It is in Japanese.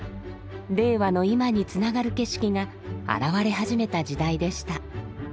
令和の今につながる景色が現れ始めた時代でした。